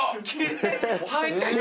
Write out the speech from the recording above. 入ったよ。